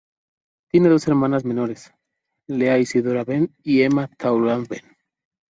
Tiene dos hermanas menores, Leah Isadora Behn y Emma Tallulah Behn.